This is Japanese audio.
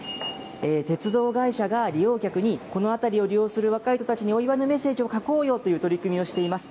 鉄道会社が利用客に、この辺りを利用する若い人たちにお祝いのメッセージを書こうよという取り組みをしています。